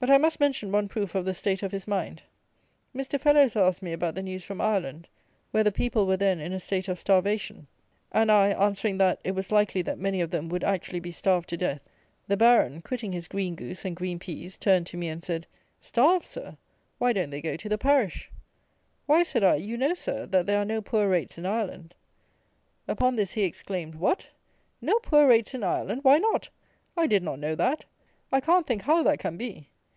But I must mention one proof of the state of his mind. Mr. Fellowes asked me about the news from Ireland, where the people were then in a state of starvation (1822), and I answering that, it was likely that many of them would actually be starved to death, the Baron, quitting his green goose and green pease, turned to me and said, "Starved, Sir! Why don't they go to the parish?" "Why," said I, "you know, Sir, that there are no poor rates in Ireland." Upon this he exclaimed, "What! no poor rates in Ireland! Why not? I did not know that; I can't think how that can be."